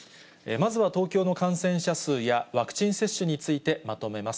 まずは東京の感染者数やワクチン接種について、まとめます。